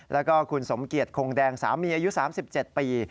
แล้วก็คุณสมเกียจคงแดงสามีอายุ๓๗ปี